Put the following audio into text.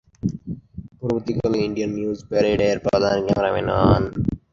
পরবর্তীকালে 'Indian news প্যারেড'-এর প্রধান ক্যামেরাম্যান হন।